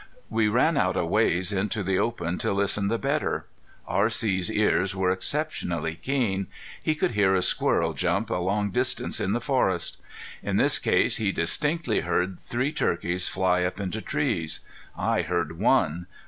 We ran out a ways into the open to listen the better. R.C.'s ears were exceptionally keen. He could hear a squirrel jump a long distance in the forest. In this case he distinctly heard three turkeys fly up into trees. I heard one.